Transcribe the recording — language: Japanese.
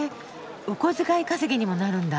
お小遣い稼ぎにもなるんだ。